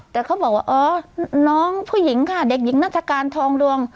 แต่เขาบอกว่าอ๋อน้องผู้หญิงค่ะเด็กหญิงนัฐกาลทองดวง